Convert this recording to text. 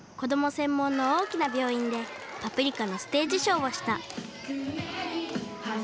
専門の大きな病院で「パプリカ」のステージショーをした。